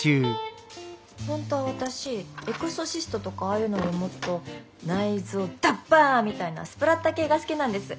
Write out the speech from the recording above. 本当は私「エクソシスト」とかああいうのよりもっと内臓ダッバンみたいなスプラッタ系が好きなんです。